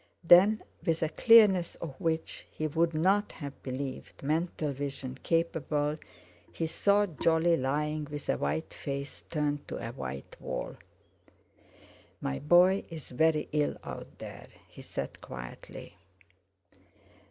Then, with a clearness of which he would not have believed mental vision capable, he saw Jolly lying with a white face turned to a white wall. "My boy is very ill out there," he said quietly.